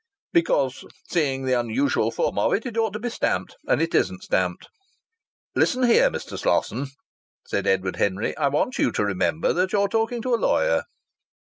"Because, seeing the unusual form of it, it ought to be stamped, and it isn't stamped." "Listen here, Mr. Slosson," said Edward Henry, "I want you to remember that you're talking to a lawyer."